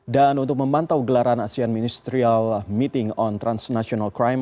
dan untuk memantau gelaran asean ministerial meeting on transnational crime